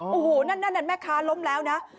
โอ้โหนั่นแม่ค้าล้มแล้วนะ